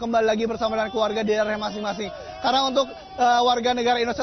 kembali lagi bersama dengan keluarga di daerah masing masing karena untuk warga negara indonesia